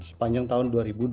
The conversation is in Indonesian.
sepanjang tahun dua ribu dua puluh